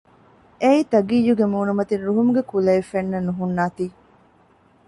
އެއީ ތަގިއްޔުގެ މޫނުމަތިން ރުހުމުގެ ކުލައެއް ފެންނަން ނުހުންނާތީ